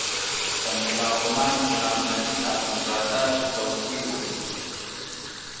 د ملا غلام غلام نبي اخندزاده کوسی و.